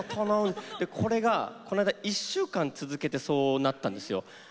これが１週間続けてそうなったんですよ。